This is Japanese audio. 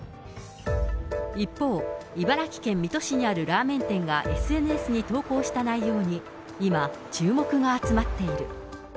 一方、茨城県水戸市にあるラーメン店がＳＮＳに投稿した内容に、今、注目が集まっている。